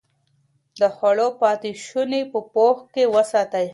د خوړو پاتې شوني په پوښ کې وساتئ.